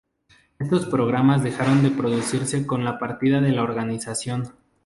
Estos programas dejaron de producirse con la partida de la organización.